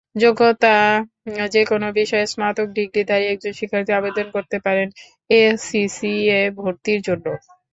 যোগ্যতাযেকোনো বিষয়ে স্নাতক ডিগ্রিধারী একজন শিক্ষার্থী আবেদন করতে পারেন এসিসিএ ভর্তির জন্য।